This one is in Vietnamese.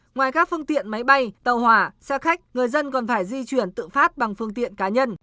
ngoài các phương tiện máy bay tàu hỏa xe khách người dân còn phải di chuyển tự phát bằng phương tiện cá nhân